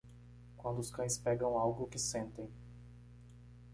Quando os cães pegam algo que sentem.